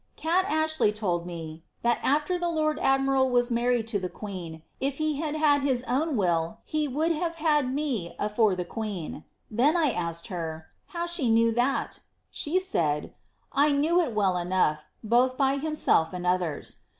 Kat A«hley told me, * that after the lord admiral was married to the queen if he hail had his own will he would have had me afore the queeiu' Then 1 asked her, *How she knew that?' She said, ^she knew it well enough, both by himself and others.'